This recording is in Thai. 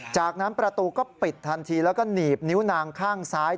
จากนั้นประตูก็ปิดทันทีแล้วก็หนีบนิ้วนางข้างซ้าย